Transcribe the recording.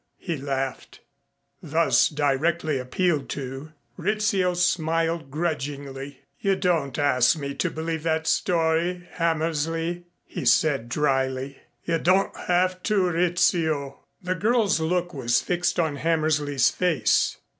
he laughed. Thus directly appealed to, Rizzio smiled grudgingly. "You don't ask me to believe that story, Hammersley," he said dryly. "You don't have to, Rizzio." The girl's look was fixed on Hammersley's face.